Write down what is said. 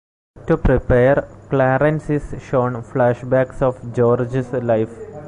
To prepare, Clarence is shown flashbacks of George's life.